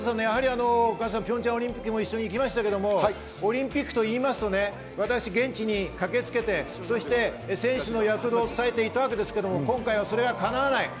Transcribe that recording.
加藤さん、ピョンチャンオリンピックも一緒にいきましたけどオリンピックと言いますと、現地に駆けつけて選手の躍動を伝えていたわけですが、今回はそれが叶わない。